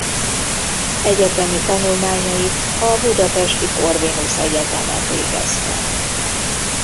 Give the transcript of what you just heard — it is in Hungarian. Egyetemi tanulmányait a Budapesti Corvinus Egyetemen végezte.